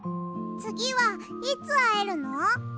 つぎはいつあえるの？